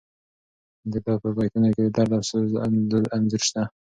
د ده په بیتونو کې د درد او سوز انځور شته.